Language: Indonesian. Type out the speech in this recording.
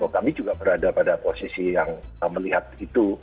kami juga berada pada posisi yang melihat itu